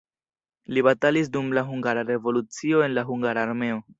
Li batalis dum la hungara revolucio en la hungara armeo.